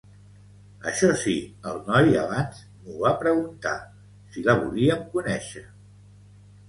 Això sí, el noi abans m'ho va preguntar, si la volíem conèixer.